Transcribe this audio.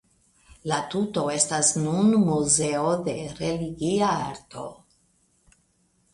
La tuto estas nun Muzeo de Religia Arto.